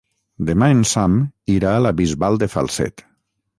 Demà en Sam irà a la Bisbal de Falset.